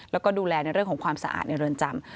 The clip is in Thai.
แล้วก็ดูแลในเรื่องของความสะอาดในเรือนจำ